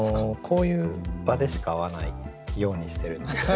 こういう場でしか会わないようにしてるんですよね。